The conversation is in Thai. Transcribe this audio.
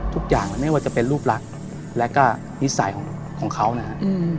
ทุกอย่างไม่ว่าจะเป็นรูปลักษณ์และก็นิสัยของเขานะครับ